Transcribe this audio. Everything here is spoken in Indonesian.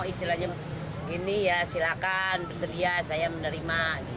istilahnya gini ya silakan bersedia saya menerima